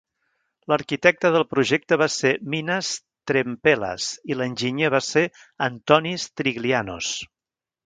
L'arquitecte del projecte va ser Minas Trempelas i l'enginyer va ser Antonis Triglianos.